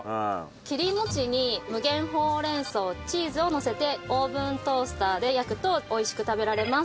切り餅に無限ほうれん草チーズをのせてオーブントースターで焼くと美味しく食べられます。